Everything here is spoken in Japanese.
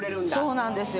そうなんですよ。